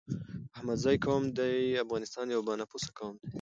احمدزی قوم دي افغانستان يو با نفوسه قوم دی